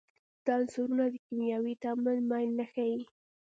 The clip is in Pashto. دا عنصرونه د کیمیاوي تعامل میل نه ښیي.